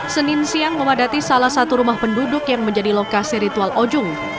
senin siang memadati salah satu rumah penduduk yang menjadi lokasi ritual ojung